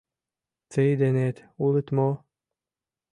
— Тый денет улыт мо?